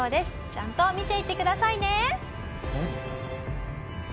ちゃんと見ていてくださいね！